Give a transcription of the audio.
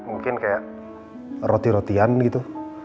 mungkin kayak roti rotian gitu